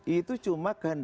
itu cuma karena